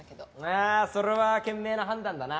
ああそれは賢明な判断だな。